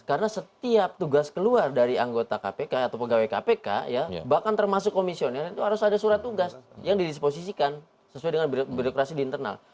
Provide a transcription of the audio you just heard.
karena setiap tugas keluar dari anggota kpk atau pegawai kpk bahkan termasuk komisioner itu harus ada surat tugas yang didisposisikan sesuai dengan berdokerasi di internal